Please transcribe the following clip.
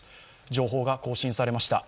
情報が更新されました。